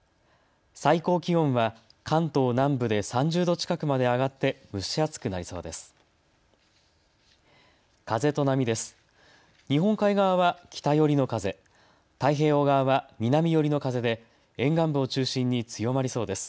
最高気温は関東南部で３０度近くまで上がって蒸し暑くなりそうです。